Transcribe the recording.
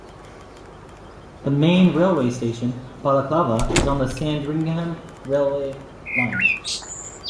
The main railway station, Balaclava, is on the Sandringham railway line.